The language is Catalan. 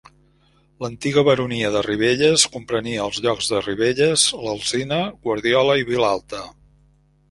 L'antiga baronia de Ribelles comprenia els llocs de Ribelles, l'Alzina, Guardiola i Vilalta.